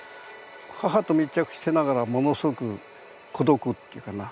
母と密着してながらものすごく孤独っていうかな。